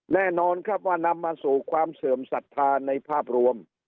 แน่นอนครับว่านำมาสู่ความเสื่อมศรัทธาในภาพรวม